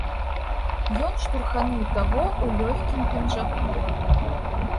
Ён штурхануў таго ў лёгкім пінжаку.